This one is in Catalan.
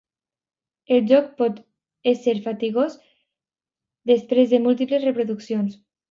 El joc pot esser fatigós després de múltiples reproduccions.